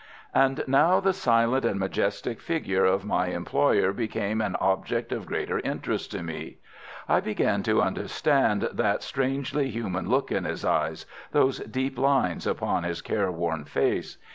And now the silent and majestic figure of my employer became an object of greater interest to me. I began to understand that strangely human look in his eyes, those deep lines upon his careworn face.